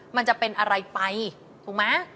มันจะเป็นอะไรไปถูกไหม